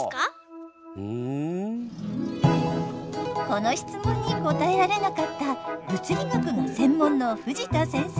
この質問に答えられなかった物理学が専門の藤田先生。